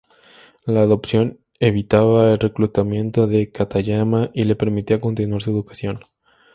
La adopción evitaba el reclutamiento de Katayama y le permitía continuar su educación.